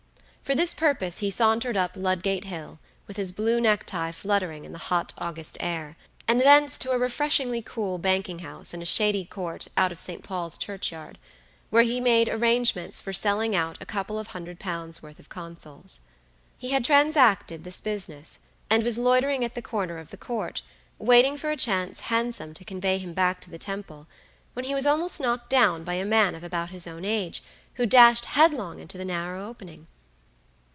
For this purpose he sauntered up Ludgate Hill, with his blue necktie fluttering in the hot August air, and thence to a refreshingly cool banking house in a shady court out of St. Paul's churchyard, where he made arrangements for selling out a couple of hundred pounds' worth of consols. He had transacted this business, and was loitering at the corner of the court, waiting for a chance hansom to convey him back to the Temple, when he was almost knocked down by a man of about his own age, who dashed headlong into the narrow opening.